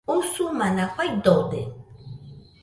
Usumana faidode